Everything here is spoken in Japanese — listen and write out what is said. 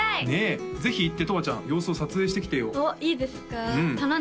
ねえぜひ行ってとわちゃん様子を撮影してきてよおっいいですか？